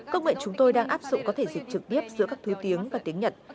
công nghệ chúng tôi đang áp dụng có thể dịch trực tiếp giữa các thứ tiếng và tiếng nhật